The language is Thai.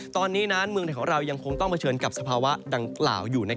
ตอนนี้นั้นเมืองไทยของเรายังคงต้องเผชิญกับสภาวะดังกล่าวอยู่